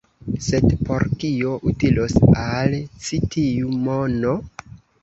Sed por kio utilos al ci tiu mono?